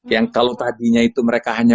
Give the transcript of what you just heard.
yang kalau tadinya itu mereka hanya